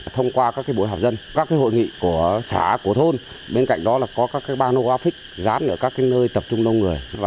thông qua các bối hợp dân các hội nghị của xã của thôn bên cạnh đó là có các bàn hoa phích dán ở các nơi tập trung lông người